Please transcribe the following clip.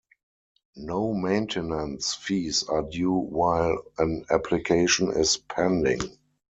No maintenance fees are due while an application is pending.